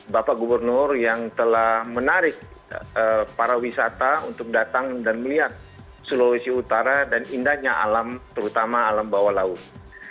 bapak gubernur yang telah menarik para wisata untuk datang dan melihat sulawesi utara dan indahnya alam terutama alam bawah laut